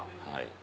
はい。